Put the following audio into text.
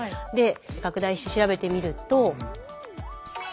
拡大して調べてみると。